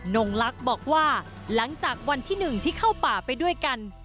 งลักษณ์บอกว่าหลังจากวันที่๑ที่เข้าป่าไปด้วยกัน